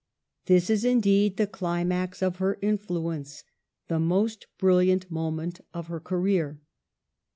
This is indeed the climax of her influence, the most brilliant moment of her career.